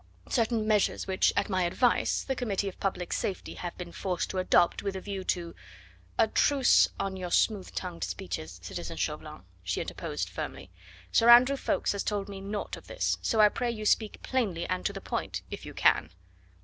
certain measures which, at my advice, the Committee of Public Safety have been forced to adopt with a view to " "A truce on your smooth tongued speeches, citizen Chauvelin," she interposed firmly. "Sir Andrew Ffoulkes has told me naught of this so I pray you speak plainly and to the point, if you can."